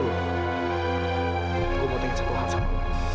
gue mau tinggal satu hari sama